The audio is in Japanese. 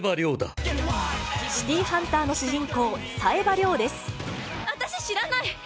シティーハンターの主人公、私知らない。